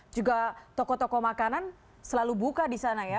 juga toko toko makanan selalu buka di sana ya